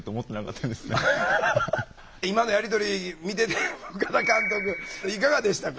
今のやり取り見てて深田監督いかがでしたか？